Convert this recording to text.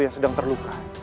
yang sedang terluka